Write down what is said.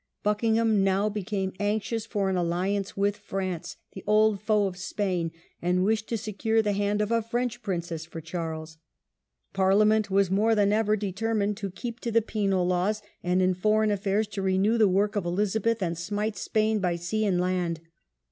Buckingham now became anxious for an alliance with France, the old foe of Spain, and wished to secure the hand of a French princess for Charles. Par ^ hopeless liament was more than ever determined to confusion of keep to the Penal laws, and in foreign affairs p^"^*^* to renew the work of Elizabeth and smite Spain by sea and land.